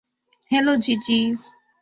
Hello, জিজি।